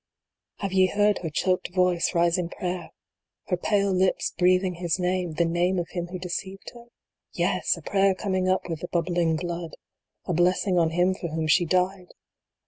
Have ye heard her choked voice rise in prayer her pale lips breathing his name the name of him who de ceived her ? Yes ! a prayer coming up with the bubbling blood a blessing on him for whom she died